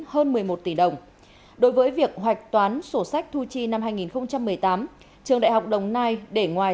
hai nghìn một mươi chín hơn một mươi một tỷ đồng đối với việc hoạch toán sổ sách thu chi năm hai nghìn một mươi tám trường đại học đồng nai để ngoài